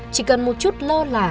chỉ cần một chút lơ là